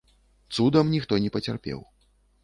Цудам ніхто не пацярпеў.